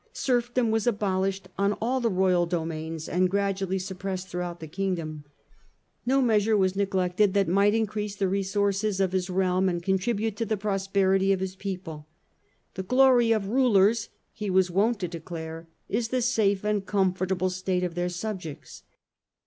Serfdom was abolished on all the royal domains and gradually suppressed throughout the Kingdom. No measure was neglected ii4 STUPOR MUNDI that might increase the resources of his realm and con tribute to the prosperity of his people. " The glory of Rulers," he was wont to declare, " is the safe and comfortable state of their subjects."